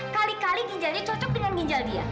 kali kali ginjalnya cocok dengan ginjal dia